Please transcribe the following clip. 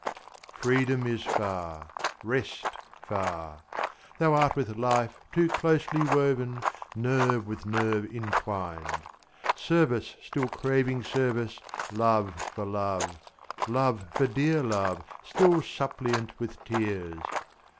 Freedom is far, rest far. Thou art with life Too closely woven, nerve with nerve intwined; Service still craving service, love for love, Love for dear love, still suppliant with tears.